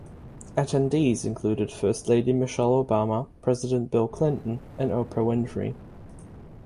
Attendees included First Lady Michelle Obama, President Bill Clinton, and Oprah Winfrey.